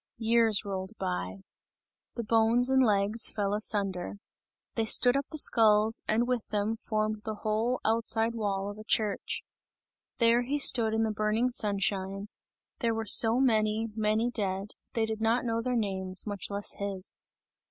Years rolled by. The bones and legs fell asunder. They stood up the skulls, and with them, formed the whole outside wall of a church. There he stood in the burning sunshine; there were so many, many dead, they did not know their names, much less his.